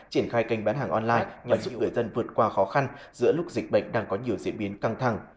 triển khai kênh bán hàng online nhằm giúp người dân vượt qua khó khăn giữa lúc dịch bệnh đang có nhiều diễn biến căng thẳng